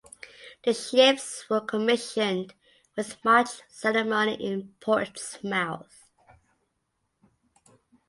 The ships were commissioned with much ceremony in Portsmouth.